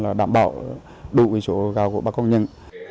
để đảm bảo đủ chỗ gạo của ba con nhân